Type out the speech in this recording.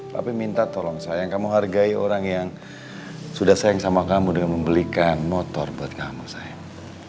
tapi minta tolong sayang kamu hargai orang yang sudah sayang sama kamu dengan membelikan motor buat kamu sayang